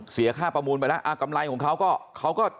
เสียค่าประมูลไปแล้วกำไรของเขาก็เขาก็